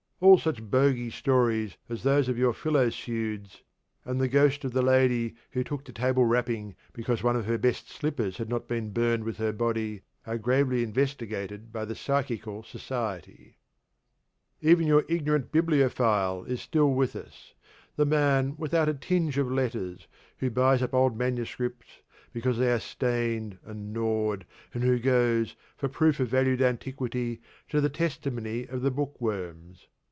All such bogy stories as those of your 'Philopseudes,' and the ghost of the lady who took to table rapping because one of her best slippers had not been burned with her body, are gravely investigated by the Psychical Society. Even your ignorant Bibliophile is still with us the man without a tinge of letters, who buys up old manuscripts 'because they are stained and gnawed, and who goes, for proof of valued antiquity, to the testimony of the book worms.'